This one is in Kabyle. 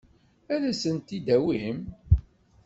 Ad as-tent-id-tawim?